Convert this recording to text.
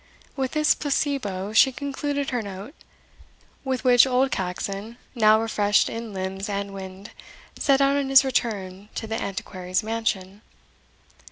With this placebo she concluded her note, with which old Caxon, now refreshed in limbs and wind, set out on his return to the Antiquary's mansion.